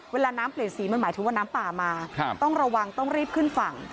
เวลาน้ำเปลี่ยนสีมันหมายถึงว่าน้ำป่ามาต้องระวังต้องรีบขึ้นฝั่ง